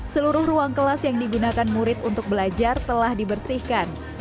seluruh ruang kelas yang digunakan murid untuk belajar telah dibersihkan